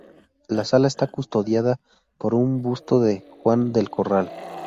La sala está custodiada por un busto de Juan del Corral.